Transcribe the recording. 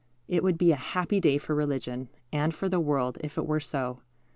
It would be a happy day for religion and for the world if it were so.